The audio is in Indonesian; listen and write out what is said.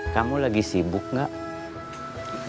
kamu lagi sibuk gak